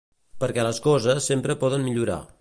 Perquè les coses sempre poden millorar.